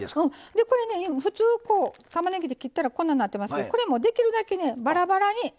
これね普通たまねぎって切ったらこんなんなってますけどこれもできるだけねバラバラに。